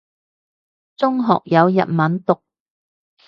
中學有日文讀